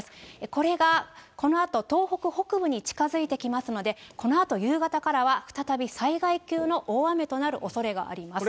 これが、このあと東北北部に近づいてきますので、このあと夕方からは再び災害級の大雨となるおそれがあります。